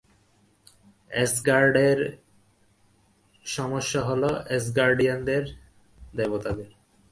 অ্যাসগার্ডের সমস্যা হলো অ্যাসগার্ডিয়ানদের দেবতাদের।